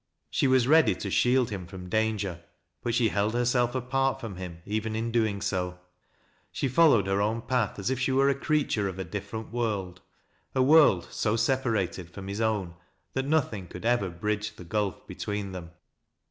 She was ready to shield him from danger, but she held herself apart from him even in doing BO. She followed her own path as if she were a creature of a different world, — a world so separated from his own that nothing could ever bridge the gulf between them.